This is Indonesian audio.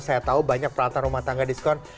saya tahu banyak peralatan rumah tangga diskon